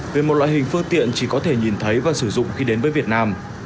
về một loại hình phương tiện chỉ có thể nhìn thấy và sử dụng khi đến với việt nam